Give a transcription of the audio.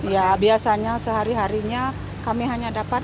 ya biasanya sehari harinya kami hanya dapat